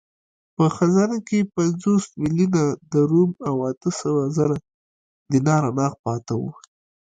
په خزانه کې پنځوس میلیونه درم او اته سوه زره دیناره نغد پاته وو.